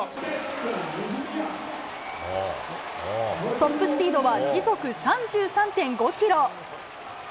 トップスピードは時速３３．５キロ。